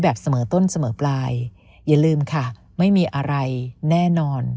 เสมอต้นเสมอปลายอย่าลืมค่ะไม่มีอะไรแน่นอน